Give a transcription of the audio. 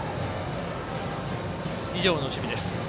以上の守備です。